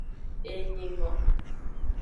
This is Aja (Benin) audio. Enyino.